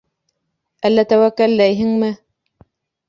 Әллә тәүәккәлләйһеңме?